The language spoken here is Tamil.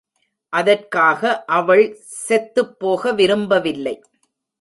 அதற்காக அவள் செத்துப்போக விரும்பவில்லை.